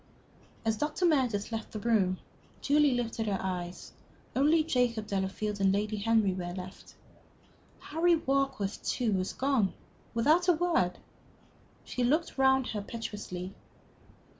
As Dr. Meredith left the room, Julie lifted her eyes. Only Jacob Delafield and Lady Henry were left. Harry Warkworth, too, was gone without a word? She looked round her piteously.